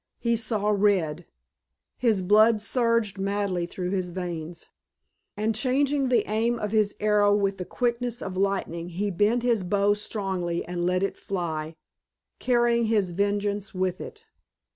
He saw red. His blood surged madly through his veins. And changing the aim of his arrow with the quickness of lightning he bent his bow strongly and let it fly, carrying his vengeance with it.